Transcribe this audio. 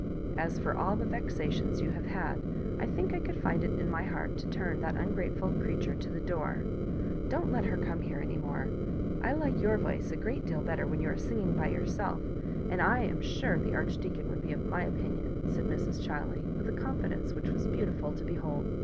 As for all the vexations you have had, I think I could find it in my heart to turn that ungrateful creature to the door. Don't let her come here any more. I like your voice a g^at deal better when you are singing by your self—and I am sure the Archdeacon would be of my opinion," said Mrs. Chiley, with a confidence which was beautiful to behold.